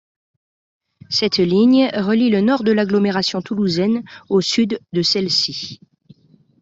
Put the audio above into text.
Cette ligne relie le nord de l'agglomération toulousaine au sud de celle-ci.